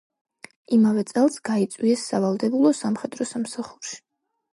იმავე წელს გაიწვიეს სავალდებულო სამხედრო სამსახურში.